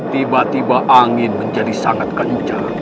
tiba tiba angin menjadi sangat kencang